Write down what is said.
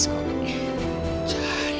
semua udah jahat kok